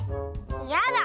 やだ！